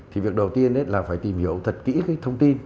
thì việc đầu tiên là phải tìm hiểu thật kỹ cái thông tin